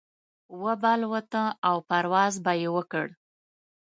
وابه لوته او پرواز به يې وکړ.